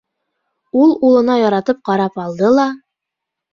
Ул улына яратып ҡарап алды ла: